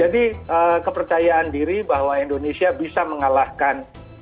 jadi kepercayaan diri bahwa indonesia bisa mengalahkan